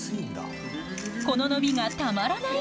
この伸びがたまらない！